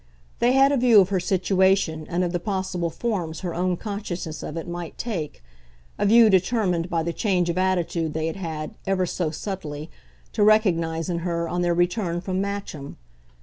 They had a view of her situation, and of the possible forms her own consciousness of it might take a view determined by the change of attitude they had had, ever so subtly, to recognise in her on their return from Matcham.